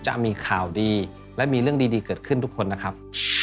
จะมีข่าวดีและมีเรื่องดีเกิดขึ้นทุกคนนะครับ